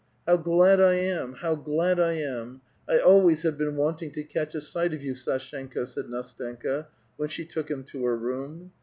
''How glad I am, how glad I am ! I always have been wanting to catch a sight of you, S&shenka," said Ndstenka, when she took him to her room.